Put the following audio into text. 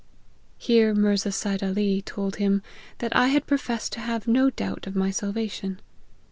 Here Mirza Seid Ali told him that I had professed to have no doubt of my salvation.